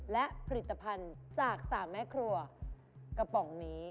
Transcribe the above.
และผลิตภัณฑ์จาก๓แม่ครัวกระป๋องนี้